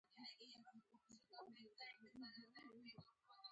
خبره به تر ډاکتر صاحب عبدالله پورې درته وکړم.